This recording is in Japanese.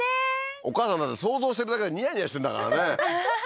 お母さんだって想像してるだけでニヤニヤしてるんだからねははは